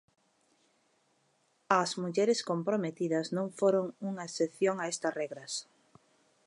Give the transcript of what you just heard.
As mulleres comprometidas non foron unha excepción a estas regras.